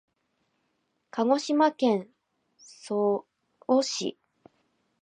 鹿児島県曽於市